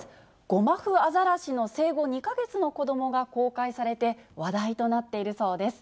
ゴマフアザラシの生後２か月の子どもが公開されて、話題となっているそうです。